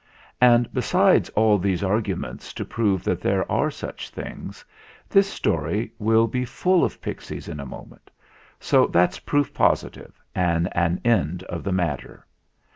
And, besides all these argu ments to prove that there are such things, this story will be full of pixies in a moment; so that's proof positive and an end of the matter.